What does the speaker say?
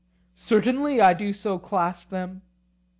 Certainly I do so class them.